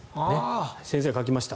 先生が書きました。